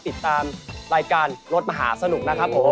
ติดตามรายการรถมหาสนุกนะครับผม